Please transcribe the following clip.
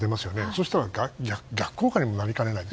そうしたら逆効果にもなりかねない。